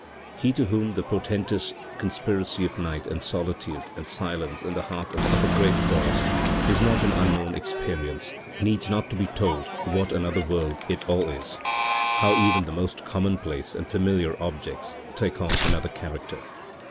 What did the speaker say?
< 3 > He to whom the portentous conspiracy of night and solitude and silence in the heart of a great forest is not an unknown experience needs not to be told what another world it all is how even the most commonplace and familiar objects take on another character.